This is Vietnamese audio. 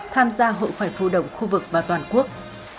tham gia hội khỏe phụ đồng khu vực và toàn quốc